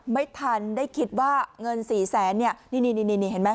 ไม่ทันได้คิดว่าเงินสี่แสนเนี่ยนี่เห็นไหม